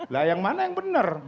lah yang mana yang benar